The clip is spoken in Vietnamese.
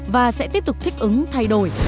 và sẽ tiếp tục thích ứng thay đổi